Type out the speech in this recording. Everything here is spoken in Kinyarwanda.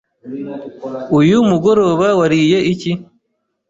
Uyu mugoroba wariye iki?